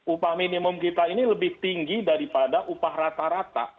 upah minimum kita ini lebih tinggi daripada upah rata rata